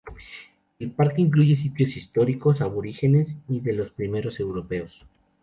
El parque incluye sitios históricos aborígenes y de los primeros europeos.